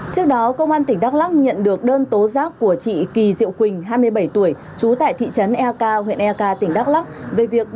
trước đó công an tỉnh đắk lắc nhận được đơn tố giác của chị kỳ diệu quỳnh hai mươi bảy tuổi trú tại thị trấn eak huyện eka tỉnh đắk lắc về việc